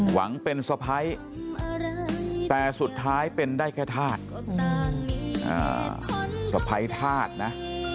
หวังเป็นสะพ้ายแต่สุดท้ายเป็นได้แค่ธาตุสะพ้ายธาตุนะ